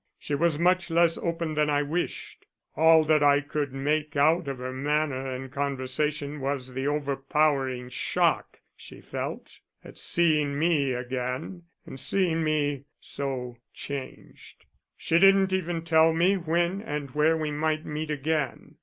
She was much less open than I wished. All that I could make out of her manner and conversation was the overpowering shock she felt at seeing me again and seeing me so changed. She didn't even tell me when and where we might meet again.